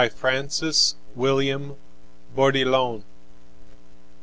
Francis William Bourdillon b.